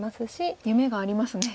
夢がありますね。